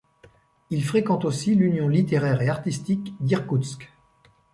Il fréquente aussi l'union littéraire et artistique d'Irkoutsk.